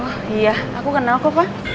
oh iya aku kenal kok pak